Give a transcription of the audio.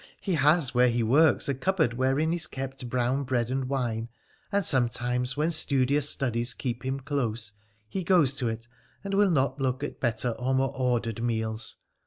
He has, where he works, a cupboard, wherein is kept brown bread and wine, and, some times, when studious studies keep him close, he goes to it and will not look at better or more ordered meals.